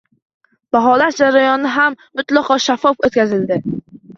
Baholash jarayoni ham mutlaqo shaffof oʻtkaziladi.